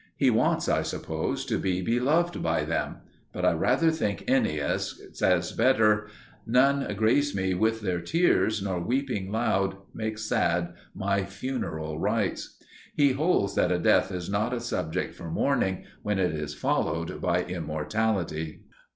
He wants, I suppose, to be beloved by them. But I rather think Ennius says better: None grace me with their tears, nor weeping loud Make sad my funeral rites! He holds that a death is not a subject for mourning when it is followed by immortality.